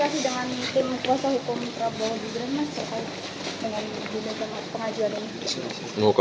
apakah dengan ibu mega pengadilan ini